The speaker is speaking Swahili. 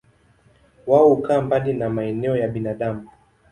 Wao hukaa mbali na maeneo ya binadamu.